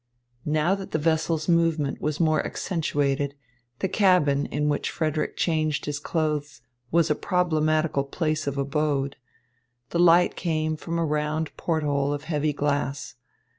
Now that the vessel's movement was more accentuated, the cabin, in which Frederick changed his clothes, was a problematical place of abode. The light came from a round port hole of heavy glass.